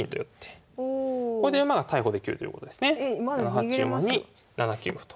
７八馬に７九歩と。